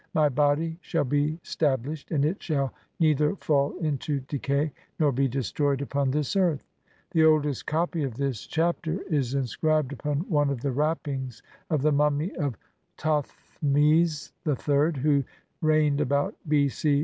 My "body shall be stablished, and it shall neither fall "into decay nor be destroyed upon this earth". The oldest copy of this Chapter is inscribed upon one of the wrappings of the mummy of Thothmes III, who reigned about B. C.